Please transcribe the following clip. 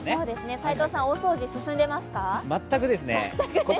齋藤さん、大掃除進んでいますか？